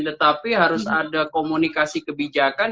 tetapi harus ada komunikasi kebijakan